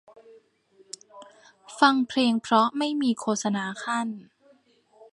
ฟังเพลงเพราะไม่มีโฆษณาคั่น